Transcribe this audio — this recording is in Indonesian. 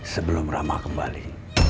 sebelum rama kembali